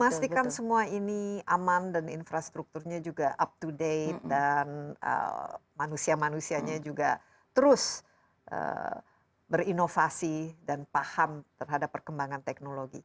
memastikan semua ini aman dan infrastrukturnya juga up to date dan manusia manusianya juga terus berinovasi dan paham terhadap perkembangan teknologi